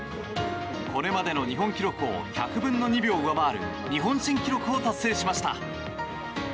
これまでの日本記録を１００分の２秒上回る日本新記録を達成しました。